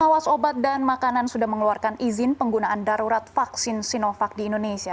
pengawas obat dan makanan sudah mengeluarkan izin penggunaan darurat vaksin sinovac di indonesia